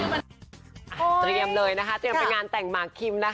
เตรียมเลยนะคะเตรียมไปงานแต่งหมากคิมนะคะ